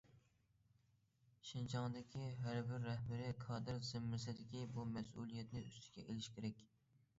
شىنجاڭدىكى ھەر بىر رەھبىرىي كادىر زىممىسىدىكى بۇ مەسئۇلىيەتنى ئۈستىگە ئېلىشى كېرەك.